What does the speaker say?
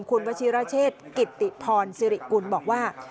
คุณวชิรเชษกิตติพรสิริกุลบอกว่า